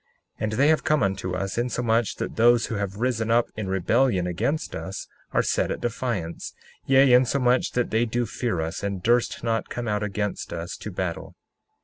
61:7 And they have come unto us, insomuch that those who have risen up in rebellion against us are set at defiance, yea, insomuch that they do fear us and durst not come out against us to battle.